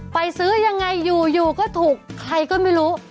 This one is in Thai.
ซื้อยังไงอยู่ก็ถูกใครก็ไม่รู้